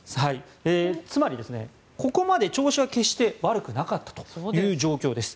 つまり、ここまで調子は決して悪くなかったという状況です。